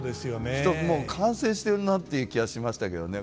一つもう完成してるなっていう気がしましたけどね。